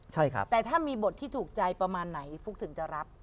ใช่ครับแต่ถ้ามีบทที่ถูกใจประมาณไหนฟุ๊กถึงจะรับ